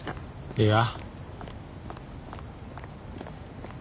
いや。